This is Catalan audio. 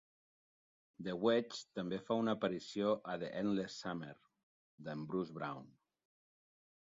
The Wedge també fa una aparició a "The Endless Summer", d'en Bruce Brown.